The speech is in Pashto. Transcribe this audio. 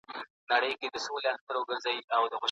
سوسیالستي نړۍ پر بنسټ ولاړه نه ده.